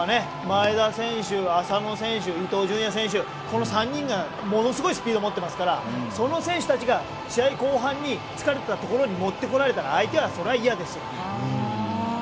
前田選手、浅野選手伊東純也選手、この３人がものすごいスピードを持っていますからその選手たちが試合後半に疲れたところに持ってこられたら相手はそれは嫌ですよね。